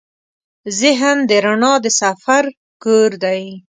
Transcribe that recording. ذهن د رڼا د سفر کور دی.